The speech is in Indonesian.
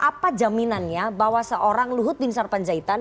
apa jaminannya bahwa seorang luhut bin sarpanjaitan